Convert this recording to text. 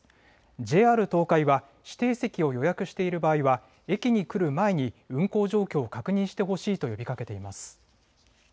ＪＲ東海は指定席を予約している場合は駅に来る前に運行状況を確認してほしいと呼びかけています。